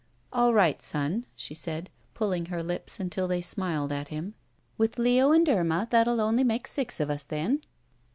"All right, son," she said, pulling her lips tmtil they smiled at him, "with Leo and Irma that 'U only make six of us, then."